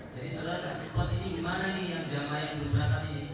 jadi saudara tidak sempat ini gimana nih yang jamaah yang berberatan ini